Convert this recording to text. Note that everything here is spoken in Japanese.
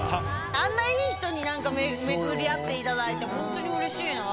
あんないい人になんか巡り合っていただいて、本当にうれしいなぁ。